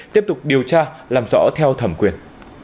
tiếp tục điều tra làm rõ theo thẩm quyền